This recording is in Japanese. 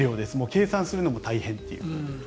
計算するのも大変という。